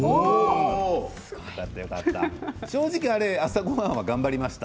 正直、朝ごはんは頑張りました？